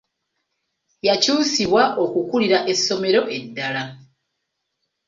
Yakyusibwa okukuulira essomero eddala.